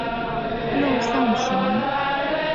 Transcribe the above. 陆颂雄。